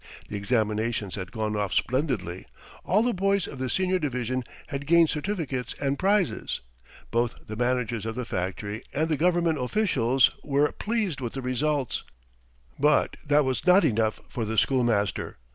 The examinations had gone off splendidly; all the boys of the senior division had gained certificates and prizes; both the managers of the factory and the government officials were pleased with the results; but that was not enough for the schoolmaster.